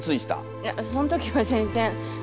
いやそん時は全然。